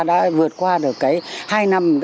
đã vượt qua được cái hai năm